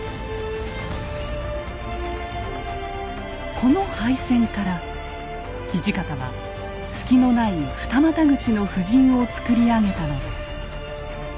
この敗戦から土方は隙のない二股口の布陣をつくり上げたのです。